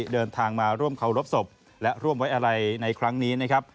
เดินทางมาร่วมเคารพศพและร่วมไว้อะไรในครั้งนี้นะครับ